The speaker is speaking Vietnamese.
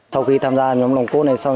sau khi tham gia nhóm nòng cốt này xong